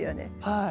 はい。